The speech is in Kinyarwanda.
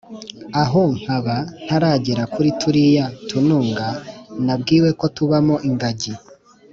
aho nkaba ntaragera kuri turiya tununga nabwiwe ko tubamo ingagi